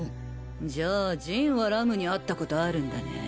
じゃあジンはＲＵＭに会ったことあるんだねぇ。